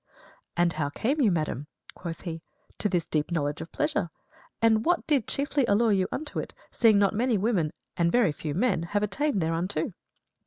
"And how came you, madam," quoth he, "to this deep knowledge of pleasure? And what did chiefly allure you unto it, seeing not many women, but very few men, have attained thereunto?"